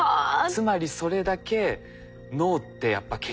つまりそれだけ脳ってやっぱ血液が大事。